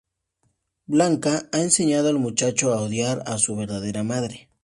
Blanca ha enseñado al muchacho a odiar a su verdadera madre.